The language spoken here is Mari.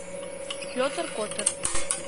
— Пӧтыр-Котыр!